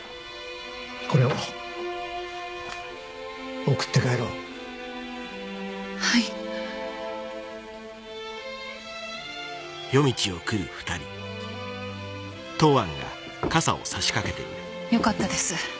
これを送って帰ろうはいよかったです